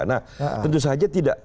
nah tentu saja tidak